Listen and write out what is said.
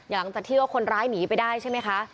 หลังจากที่ว่าคนร้ายหนีไปได้ใช่ไหมคะ